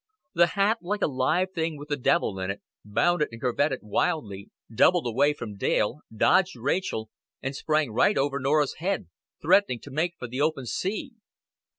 The hat, like a live thing with the devil in it, bounded and curvetted wildly, doubled away from Dale, dodged Rachel, and sprang right over Norah's head, threatening to make for the open sea.